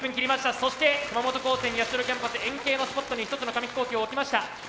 そして熊本高専八代キャンパス円形のスポットに１つの紙飛行機を置きました。